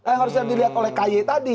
yang harusnya dilihat oleh k y tadi